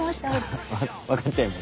ハハッ分かっちゃいます？